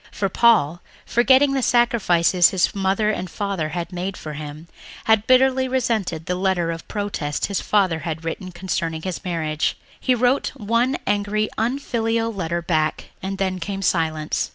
For Paul, forgetting the sacrifices his mother and father had made for him, had bitterly resented the letter of protest his father had written concerning his marriage. He wrote one angry, unfilial letter back and then came silence.